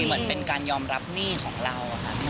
เหมือนเป็นการยอมรับหนี้ของเราค่ะ